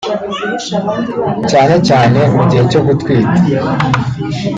cyane cyane mu gihe cyo gutwita